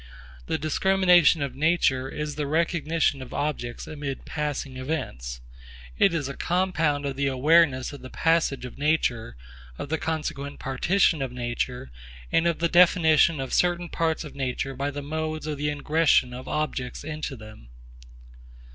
The discrimination of nature is the recognition of objects amid passing events. It is a compound of the awareness of the passage of nature, of the consequent partition of nature, and of the definition of certain parts of nature by the modes of the ingression of objects into them.